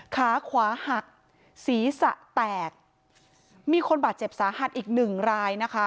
ขาขวาหักศีรษะแตกมีคนบาดเจ็บสาหัสอีกหนึ่งรายนะคะ